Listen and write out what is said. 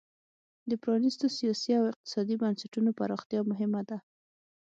د پرانیستو سیاسي او اقتصادي بنسټونو پراختیا مهمه ده.